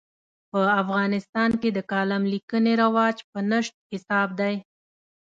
په افغانستان کې د کالم لیکنې رواج په نشت حساب دی.